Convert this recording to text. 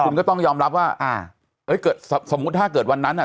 คุณก็ต้องยอมรับว่าอ่าเอ้ยเกิดสมมุติถ้าเกิดวันนั้นอ่ะ